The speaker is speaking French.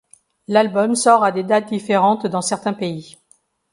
L'album sort à des dates différentes dans certains pays.